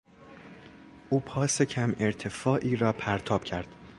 او پاس کم ارتفاعی را پرتاب کرد.